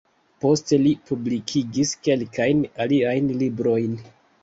Poste li publikigis kelkajn aliajn librojn.